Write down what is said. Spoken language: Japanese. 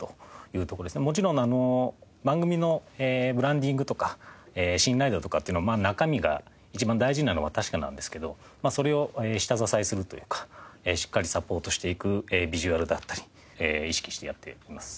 もちろん番組のブランディングとか信頼度とかっていうのは中身が一番大事なのは確かなんですけどそれを下支えするというかしっかりサポートしていくビジュアルだったり意識してやっています。